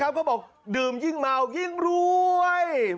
นะครับก็บอกดื่มยิ่งเมายิ่งรวย